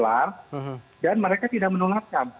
tidak tertular dan mereka tidak menolakkan